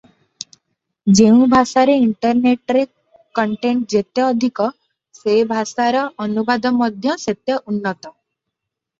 ଯେଉଁ ଭାଷାରେ ଇଣ୍ଟରନେଟରେ କଣ୍ଟେଣ୍ଟ ଯେତେ ଅଧିକ ସେ ଭାଷାର ଅନୁବାଦ ମଧ୍ୟ ସେତେ ଉନ୍ନତ ।